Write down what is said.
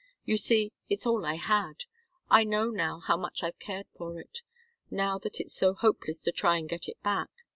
You see, it's all I had. I know now how much I've cared for it now that it's so hopeless to try and get it back.